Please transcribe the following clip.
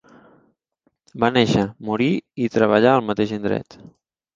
Va néixer, morir i treballar al mateix indret.